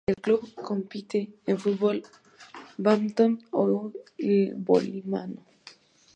El club compite en fútbol, badminton y balonmano.